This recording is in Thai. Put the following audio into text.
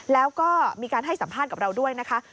แล้วก็มีการให้สัมภาษณ์กับเราด้วยนะคะ